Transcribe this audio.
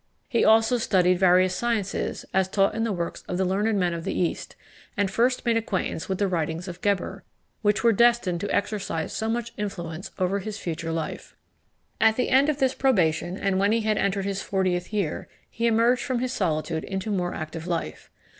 He also studied various sciences, as taught in the works of the learned men of the East, and first made acquaintance with the writings of Geber, which were destined to exercise so much influence over his future life. At the end of this probation, and when he had entered his fortieth year, he emerged from his solitude into more active life.